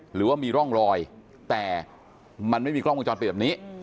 หรือว่ามีร่องรอยแต่มันไม่มีกล้องวงจรปิดแบบนี้